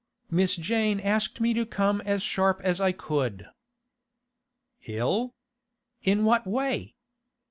Miss Jane asked me to come as sharp as I could.' 'Ill? In what way?